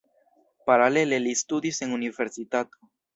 Paralele li studis en universitato.